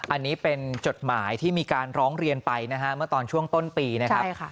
อันนี้เป็นจดหมายที่มีการร้องเรียนไปนะฮะเมื่อตอนช่วงต้นปีนะครับ